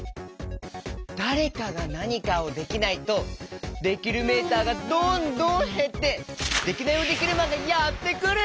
だれかがなにかをできないとできるメーターがどんどんへってデキナイヲデキルマンがやってくる！